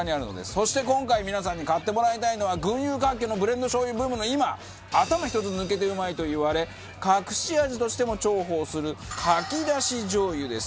そして今回皆さんに買ってもらいたいのは群雄割拠のブレンドしょう油ブームの今「頭１つ抜けてうまい！」と言われ隠し味としても重宝する牡蠣だし醤油です。